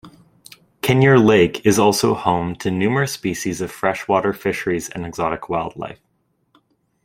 Kenyir Lake is also home to numerous species of freshwater fishes and exotic wildlife.